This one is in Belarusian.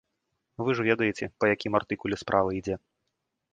Вы ж ведаеце, па якім артыкуле справа ідзе.